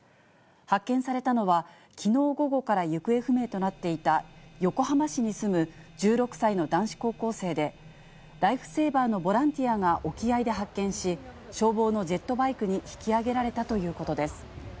発見されたのは、きのう午後から行方不明となっていた、横浜市に住む１６歳の男子高校生で、ライフセーバーのボランティアが沖合で発見し、消防のジェットバイクに引きあげられたということです。